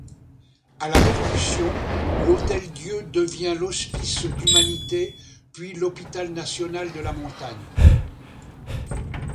À la Révolution, l’Hôtel-Dieu devient l’Hospice d’Humanité, puis l’Hôpital national de la Montagne.